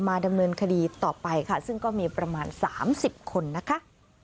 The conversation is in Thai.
ดำเนินคดีต่อไปค่ะซึ่งก็มีประมาณ๓๐คนนะคะ